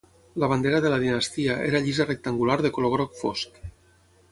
La bandera de la dinastia era llisa rectangular de color groc fosc.